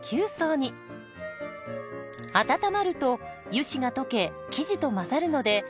温まると油脂が溶け生地と混ざるのでいったん冷蔵庫で冷やします。